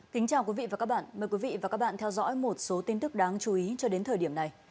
kính chào quý vị và các bạn mời quý vị và các bạn theo dõi một số tin tức đáng chú ý cho đến thời điểm này